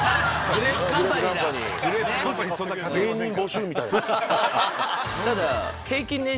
芸人募集みたいな。